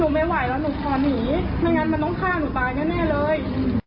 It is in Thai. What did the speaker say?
ไม่ไหวแล้วหนูขอหนีไม่งั้นมันต้องฆ่าหนูตายแน่เลย